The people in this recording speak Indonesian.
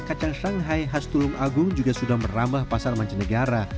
kacang shanghai khas tulung agung juga sudah merambah pasar mancanegara